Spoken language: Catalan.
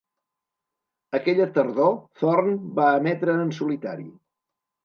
Aquella tardor, Thorn va emetre en solitari.